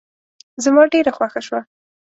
زما ډېره خوښه شوه.